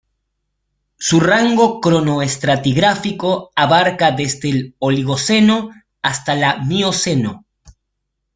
Su rango cronoestratigráfico abarca desde el Oligoceno hasta la Mioceno.